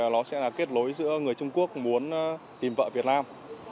nó sẽ là kết lối giữa người trung quốc muốn tìm vợ việt nam